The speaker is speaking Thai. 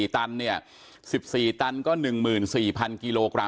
ตันเนี่ย๑๔ตันก็๑๔๐๐กิโลกรัม